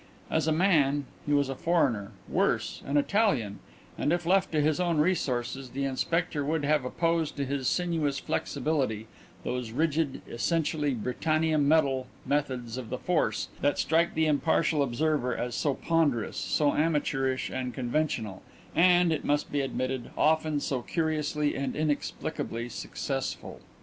As a man he was a foreigner: worse, an Italian, and if left to his own resources the inspector would have opposed to his sinuous flexibility those rigid, essentially Britannia metal, methods of the Force that strike the impartial observer as so ponderous, so amateurish and conventional, and, it must be admitted, often so curiously and inexplicably successful.